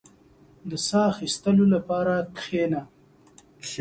• د ساه اخيستلو لپاره کښېنه.